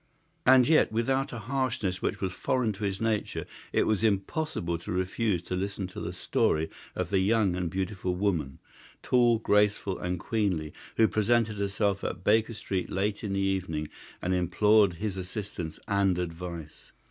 And yet without a harshness which was foreign to his nature it was impossible to refuse to listen to the story of the young and beautiful woman, tall, graceful, and queenly, who presented herself at Baker Street late in the evening and implored his assistance and advice.